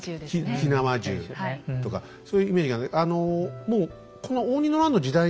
火縄銃とかそういうイメージがね。